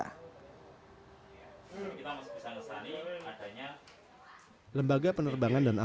kita bisa nesani adanya